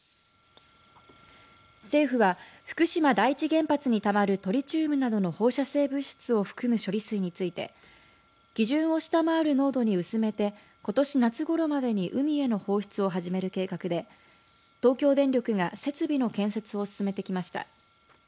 政府は福島第一原発にたまるトリチウムなどの放射性物質を含む処理水について基準を下回る濃度に薄めてことし夏ごろまでに海への放出を始める計画で東京電力が設備の建設を進めてきました。